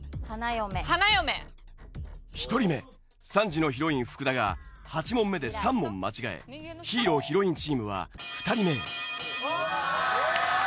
１人目３時のヒロイン福田が８問目で３問間違えヒーローヒロインチームは２人目へ。